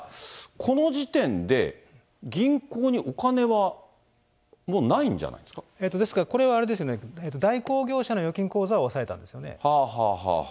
この時点で銀行にお金はもうないですからこれはあれですね、代行業者の預金口座を押さえたんですよね。